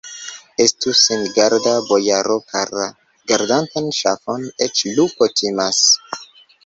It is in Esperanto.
Estu singarda, bojaro kara: gardatan ŝafon eĉ lupo timas!